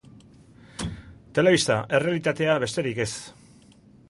Telebista, errealitatea besterik ez.